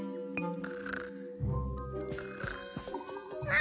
あ。